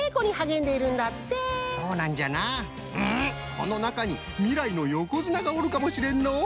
このなかにみらいのよこづながおるかもしれんのう！